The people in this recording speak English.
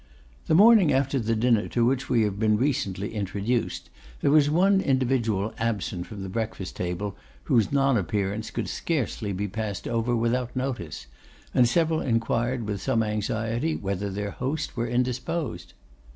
The morning after the dinner to which we have been recently introduced, there was one individual absent from the breakfast table whose non appearance could scarcely be passed over without notice; and several inquired with some anxiety, whether their host were indisposed.